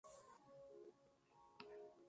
Hubo un desembarco en una de las islas.